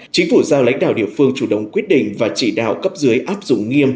chính phủ giao lãnh đạo địa phương chủ động quyết định và chỉ đạo cấp dưới áp dụng nghiêm